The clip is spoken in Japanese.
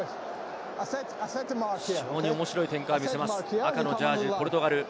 非常に面白い展開を見せます赤のジャージーポルトガル。